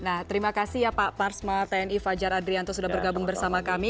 nah terima kasih ya pak parsma tni fajar adrianto sudah bergabung bersama kami